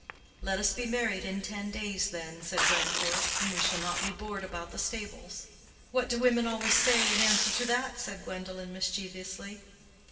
"Let us be married in ten days, then," said Grandcourt, "and we shall not be bored about the stables." "What do women always say in answer to that?" said Gwendolen, mischievously.